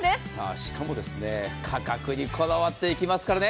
しかも価格にこだわっていきますからね。